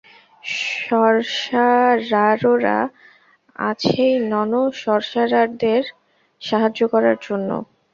সর্সারাররা আছেই নন-সর্সারারদের সাহায্য করার জন্য।